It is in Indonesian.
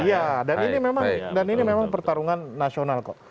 iya dan ini memang pertarungan nasional kok